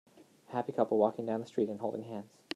A happy couple walking down the street and holding hands.